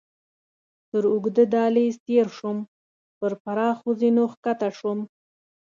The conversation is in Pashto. تر اوږده دهلېز تېر شوم، پر پراخو زینو کښته شوم.